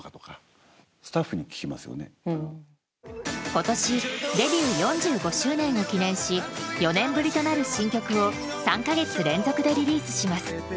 今年デビュー４５周年を記念し４年ぶりとなる新曲を３か月連続でリリースします。